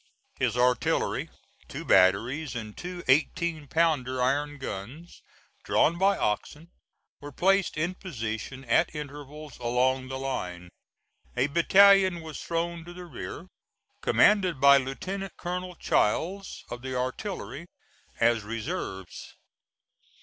His artillery, two batteries and two eighteen pounder iron guns, drawn by oxen, were placed in position at intervals along the line. A battalion was thrown to the rear, commanded by Lieutenant Colonel Childs, of the artillery, as reserves.